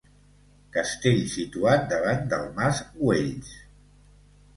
Castell situat davant del mas Güells.